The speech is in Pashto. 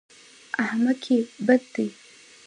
احمقي بد دی.